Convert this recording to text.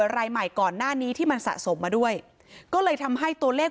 รายใหม่ก่อนหน้านี้ที่มันสะสมมาด้วยก็เลยทำให้ตัวเลข